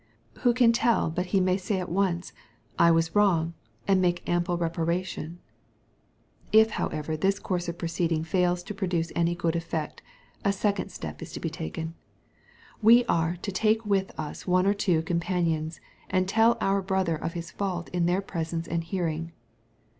Who can tell but he may say at once, " I was wrong"—' and make ample reparation ? If however this course of proceeding fails to produce any good efiect, a second step is to be taken. We are to MATTHEW, CHAP. XVm. 225 •*take with us one or two" companions, and tell our brother of his fault in their presence and hearing.